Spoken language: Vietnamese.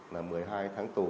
là một mươi hai tháng tù